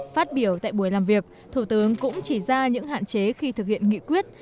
phát biểu tại buổi làm việc thủ tướng cũng chỉ ra những hạn chế khi thực hiện nghị quyết